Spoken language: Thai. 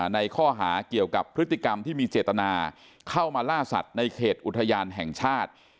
ในข้อหาเกี่ยวกับพฤติกรรมที่มีเจตนาเข้ามาล่าสัตว์ในเขตอุทยานแห่งชาติ